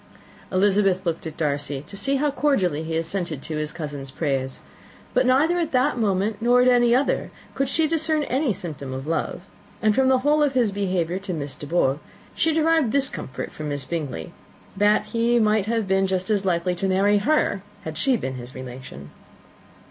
Elizabeth looked at Darcy, to see how cordially he assented to his cousin's praise: but neither at that moment nor at any other could she discern any symptom of love; and from the whole of his behaviour to Miss De Bourgh she derived this comfort for Miss Bingley, that he might have been just as likely to marry her, had she been his relation.